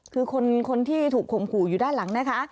คือคนที่ถูกข่มขู่อยู่ด้านหลังนะคะ